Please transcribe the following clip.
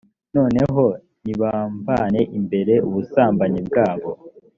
noneho nibamvane imbere ubusambanyi bwabo